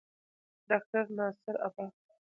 ډاکټر ناصر عباس